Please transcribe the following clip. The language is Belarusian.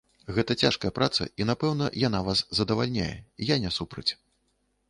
Гэта цяжкая праца, і напэўна, яна вас задавальняе, я не супраць.